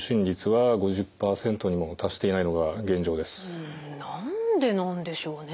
一方何でなんでしょうね？